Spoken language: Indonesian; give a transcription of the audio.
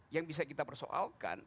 yang bisa kita persoalkan